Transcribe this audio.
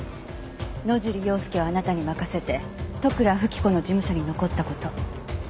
野尻要介をあなたに任せて利倉富貴子の事務所に残った事。